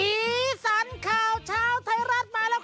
สีสันข่าวชาวไทยรัฐมาแล้วครับ